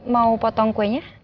mau potong kuenya